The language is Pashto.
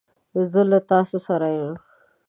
زه له تاسو سره یم.